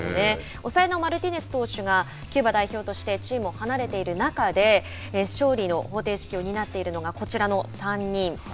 抑えのマルティネス投手がキューバ代表としてチームを離れている中で勝利の方程式を担っているのがこちらの３人。